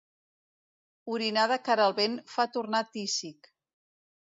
Orinar de cara al vent fa tornar tísic.